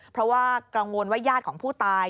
เพราะว่ากังวลว่าญาติของผู้ตาย